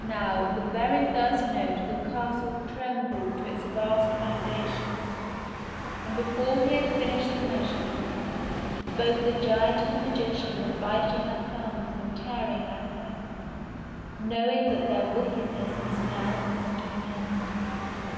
Now at the very first note the castle trembled to its vast foundations, and before he had finished the measure, both the giant and the magician were biting their thumbs and tearing their hair, knowing that their wickedness must now come to an end.